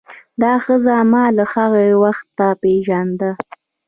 دا ښځه ما له هغه وخته پیژانده.